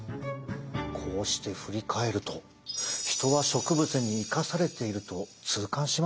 こうして振り返るとヒトは植物に生かされていると痛感しますね。